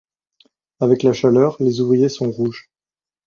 Avec la chaleur, les ouvriers sont rouges